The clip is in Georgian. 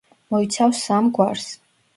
მოიცავს სამ გვარს.